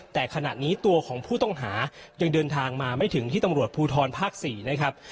แต่ขณะนี้ตัวของผู้ต้องหายังเดินทางมาไม่ถึงที่ตำรวจภูทรภาค๔นะครับ